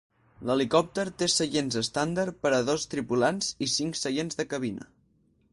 L'helicòpter té seients estàndard per a dos tripulants i cinc seients de cabina.